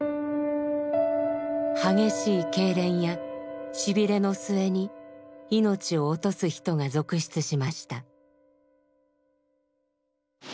激しいけいれんやしびれの末に命を落とす人が続出しました。